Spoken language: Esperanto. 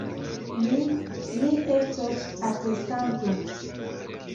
Li, li estos atestanto!